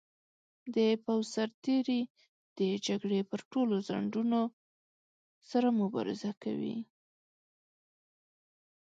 د پوځ سرتیري د جګړې پر ټولو ځنډونو سره مبارزه کوي.